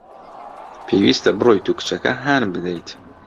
پێویستە بڕۆیت و کچەکە هان بدەیت.